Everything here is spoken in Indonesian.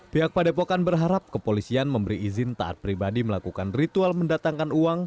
pak padepokan berharap kepolisian memberi izin tadpribadi melakukan ritual mendatangkan uang